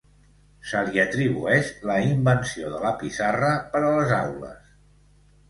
Se li atribueix la invenció de la pissarra per a les aules.